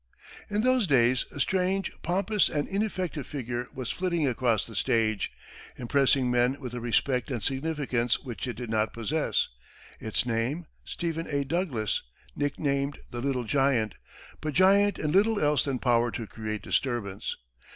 In those days, a strange, pompous and ineffective figure was flitting across the stage, impressing men with a respect and significance which it did not possess, its name, Stephen A. Douglas, nicknamed "The Little Giant," but giant in little else than power to create disturbance.